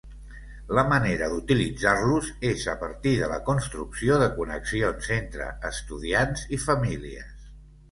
La manera d'utilitzar-los és a partir de la construcció de connexions entre estudiants i famílies.